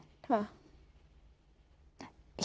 ค่ะ